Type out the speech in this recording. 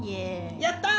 やった！